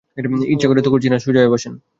ইচ্ছা করে তো করছি না, সোজা হয়ে বসেন।